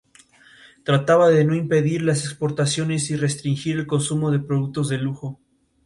Él supo mezclar nuevos nombres que poco a poco se incorporan a la selección.